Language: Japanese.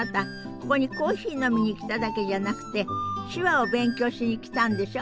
ここにコーヒー飲みに来ただけじゃなくて手話を勉強しに来たんでしょ？